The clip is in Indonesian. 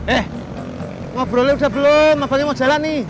eh ngobrolin udah belum abangnya mau jalan nih